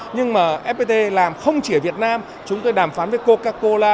nhưng mà fpt làm không chỉ ở việt nam chúng tôi đàm phán với coca cola